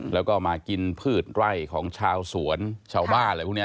แล้วก็มากินพืชไร่ของชาวสวนชาวบ้านอะไรพวกนี้